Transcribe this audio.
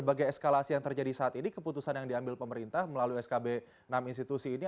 sebagai eskalasi yang terjadi saat ini keputusan yang diambil pemerintah melalui skb enam institusi ini